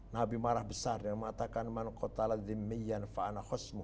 nabi marah besar dan mengatakan